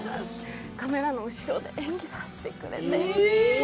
カメラの後ろで演技してくれて。